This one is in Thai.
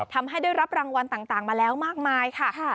ทำให้ได้รับรางวัลต่างมาแล้วมากมายค่ะ